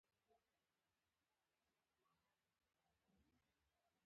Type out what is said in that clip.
کیدای شي بیا د مځکې